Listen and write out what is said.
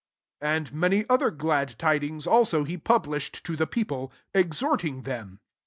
18 And many other glad tidings also he published to the people, exhorting them.